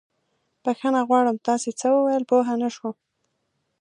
بښنه غواړم، تاسې څه وويل؟ پوه نه شوم.